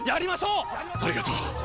ありがとう！